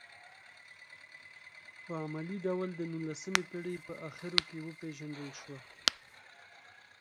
په علمي ډول د نولسمې پېړۍ په اخرو کې وپېژندل شوه.